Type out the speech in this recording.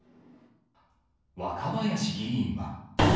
若林議員は。